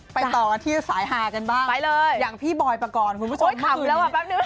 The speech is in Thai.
ต่อกันที่สายฮากันบ้างอย่างพี่บอยปกรณ์คุณผู้ชมขับอยู่แล้วอ่ะแป๊บนึง